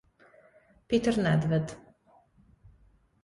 Petr Nedvěd